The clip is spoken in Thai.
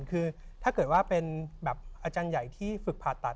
คือถ้าเกิดว่าเป็นแบบอาจารย์ใหญ่ที่ฝึกผ่าตัด